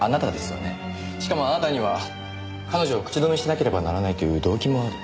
しかもあなたには彼女を口止めしなければならないという動機もある。